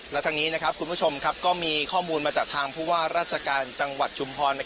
และทางนี้คุณผู้ชมก็มีข้อมูลมาจากทางผู้ว่าราชการจังหวัดชุมพร